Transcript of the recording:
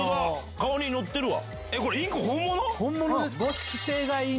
顔に乗ってるわ。